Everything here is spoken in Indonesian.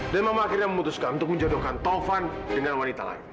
dan mama akhirnya memutuskan untuk menjodohkan tava dengan wanita lain